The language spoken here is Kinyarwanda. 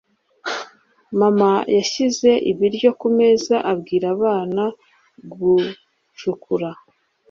mama yashyize ibiryo kumeza abwira abana gucukura